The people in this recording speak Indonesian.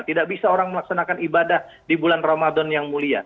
tidak bisa orang melaksanakan ibadah di bulan ramadan yang mulia